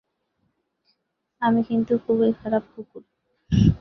আমি কিন্তু খুবই খারাপ কুকুর।